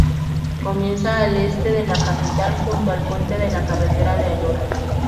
Comienza al este de la capital, junto al puente de la Carretera de Ayora.